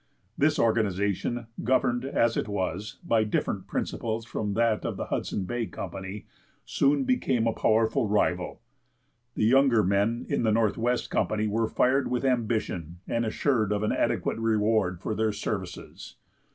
This organization, governed, as it was, by different principles from that of the Hudson Bay Company, soon became a powerful rival. The younger men in the Northwest Company were fired with ambition and assured of an adequate reward for their services.